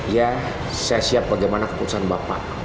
ya saya siap bagaimana keputusan bapak